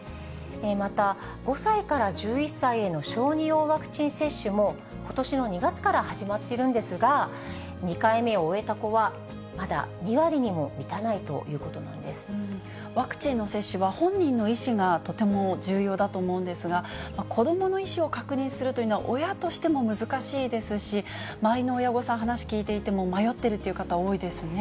また５歳から１１歳への小児用ワクチン接種も、ことしの２月から始まってるんですが、２回目を終えた子はまだ２割にも満たないとワクチンの接種は、本人の意思がとても重要だと思うんですが、子どもの意思を確認するというのは、親としても難しいですし、周りの親御さん、話を聞いていても迷ってるという方、多いですね。